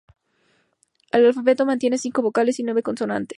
El alfabeto contiene cinco vocales y nueve consonantes.